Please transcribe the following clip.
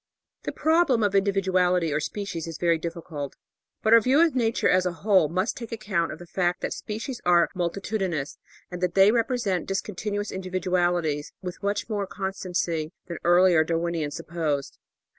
The problem of individuality or species is very difficult; but our view of Nature as a whole must take account of the fact that species are multitudinous and that they represent discontinuous individualities, with much more constancy than the earlier Dar winians supposed.